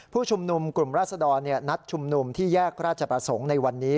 ผู้ชุมนุมกลุ่มราศดรนัดชุมนุมที่แยกราชประสงค์ในวันนี้